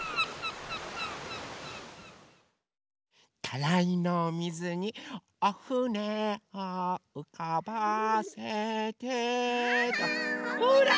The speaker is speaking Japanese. たらいのおみずに「おふねをうかばせて」ほら！